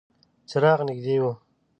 څراغ نږدې و.